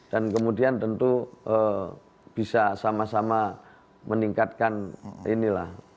dan kemudian tentu bisa sama sama meningkatkan inilah